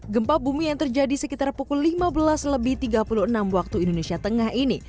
gempa bumi yang terjadi sekitar pukul lima belas lebih tiga puluh enam waktu indonesia tengah ini